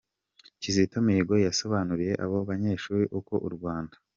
Kizito Mihigo yasobanuriye abo banyeshuri ko u Rwanda.